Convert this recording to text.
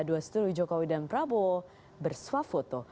dua seteluh jokowi dan prabowo bersuap foto